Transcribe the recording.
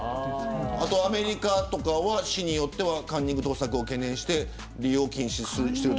あとはアメリカとかは市によってはカンニング、盗作を懸念して使用を禁止している。